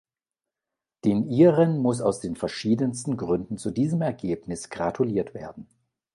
Den Iren muss aus den verschiedensten Gründen zu diesem Ergebnis gratuliert werden.